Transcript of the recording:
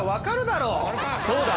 そうだ！